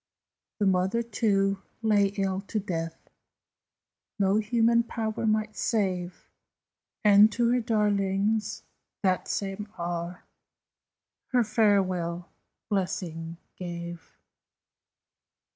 The mother, too, lay ill to death, No human power might save, And to her darlings, that same hour, Her farewell blessing gave.